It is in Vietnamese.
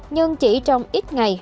nhưng chỉ trong ít ngày